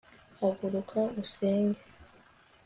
haguruka usenge